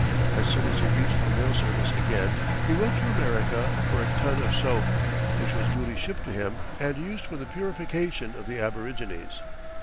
As soon as he reached the mail service again, he wrote to America for a ton of soap, which was duly shipped to him and used for the purification of the aborigines.